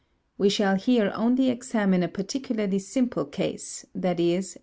We shall here only examine a particularly simple case, viz.